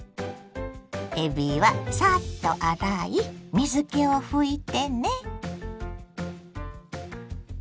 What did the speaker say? えびはサッと洗い水けを拭いてね。